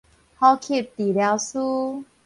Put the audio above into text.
呼吸治療師